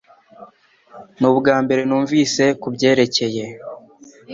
Ni ubwambere numvise kubyerekeye